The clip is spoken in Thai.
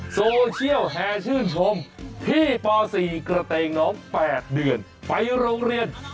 โซเชียลแห่ชื่นชมพี่ป๔กระเตงน้อง๘เดือนไปโรงเรียน